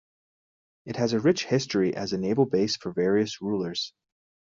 It has a rich history as a naval base for various rulers.